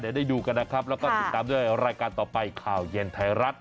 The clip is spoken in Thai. เดี๋ยวได้ดูกันนะครับแล้วก็ติดตามด้วยรายการต่อไปข่าวเย็นไทยรัฐ